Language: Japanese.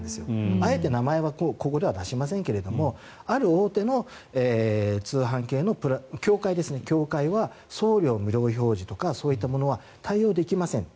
あえて名前はここでは出しませんがある大手の通販系の協会は送料無料表示とかそういったものは対応できませんと。